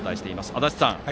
足達さん